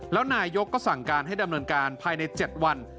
แล้วนายกก็สั่งการให้ดำเนินการภายใน๗วัน